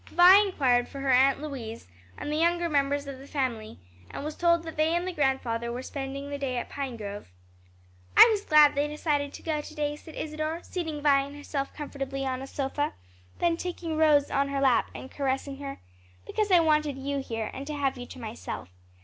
Vi inquired for her Aunt Louise and the younger members of the family, and was told that they and the grandfather were spending the day at Pinegrove. "I was glad they decided to go to day," said Isadore, seating Vi and herself comfortably on a sofa, then taking Rose on her lap and caressing her, "because I wanted you here, and to have you to myself.